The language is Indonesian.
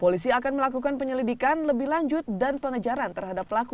polisi akan melakukan penyelidikan lebih lanjut dan pengejaran terhadap pelaku